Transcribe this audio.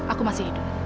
aku masih hidup